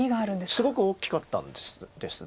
すごく大きかったんです。